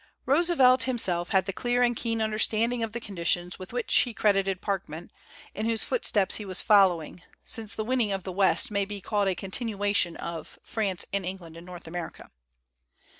Roosevelt himself had the clear and keen under standing of the conditions with which he cred ited Parkman, in whose footsteps he was follow ing, since the l Winning of the West' may be called a continuation of ' France and England in North America.'